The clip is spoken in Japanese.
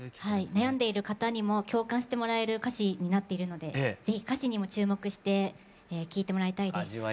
悩んでいる方にも共感してもらえる歌詞になっているので是非歌詞にも注目して聴いてもらいたいです。